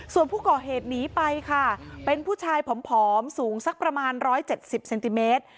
ส่วนผู้ก่อเหตุหนีไปค่ะเป็นผู้ชายผอมสูงสักประมาณ๑๗๐เซนติเมตร